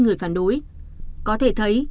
người phản đối có thể thấy